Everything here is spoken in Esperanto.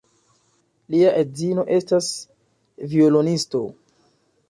Lia edzino estas violonisto.